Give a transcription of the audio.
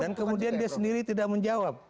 dan kemudian dia sendiri tidak menjawab